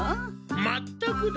まったくだ。